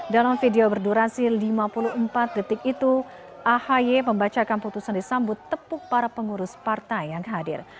dalam video berdurasi lima puluh empat detik itu ahy membacakan putusan disambut tepuk para pengurus partai yang hadir